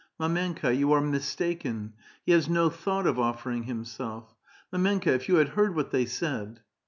" Mdmenka^ you are mistaken. He has no thought of offering himself. Mdmenka^ if you had heard what they said